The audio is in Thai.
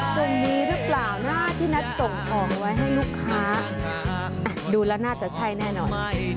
คงมีหรือเปล่านะที่นัดส่งของไว้ให้ลูกค้าดูแล้วน่าจะใช่แน่นอน